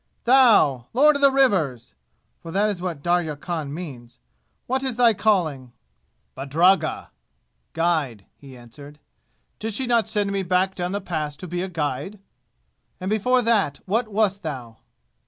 "Thou! Lord of the Rivers! (For that is what Darya Khan means.) What is thy calling?" "Badragga" (guide), he answered. "Did she not send me back down the Pass to be a guide?" "And before that what wast thou?"